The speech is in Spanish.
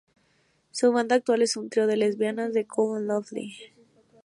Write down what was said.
Su banda actual es un trío de lesbianas, The Cold and Lovely.